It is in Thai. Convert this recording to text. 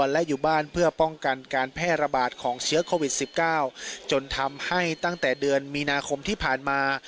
และอยู่บ้านเพื่อป้องกันการแพร่ระบาดของเชื้อโควิด๑๙จนทำให้ตั้งแต่เดือนมีนาคมที่ผ่านมา